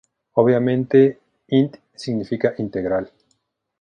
Obviamente int significa integral.